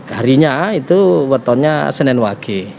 harinya itu wetonnya senin wage